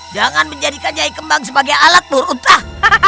jangan menjadikan nyai kembang sebagai alat murutah